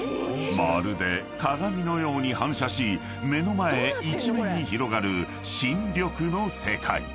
［まるで鏡のように反射し目の前一面に広がる新緑の世界］